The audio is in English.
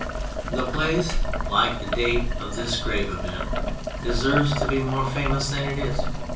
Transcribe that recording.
The place, like the date, of this grave event, deserves to be more famous than it is.